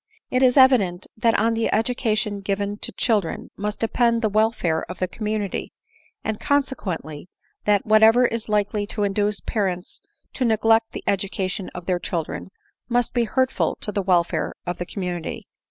^It is evident that on the education given to children must depend the welfare of the community ; and, conse quently, that whatever is likely to induce parents to ne glect the education of their children must be hvrtful to the welfare of the community.